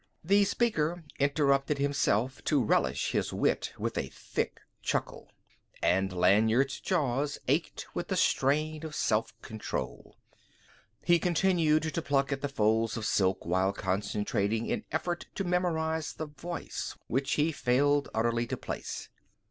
The speaker interrupted himself to relish his wit with a thick chuckle. And Lanyard's jaws ached with the strain of self control. He continued to pluck at the folds of silk while concentrating in effort to memorise the voice, which he failed utterly to place.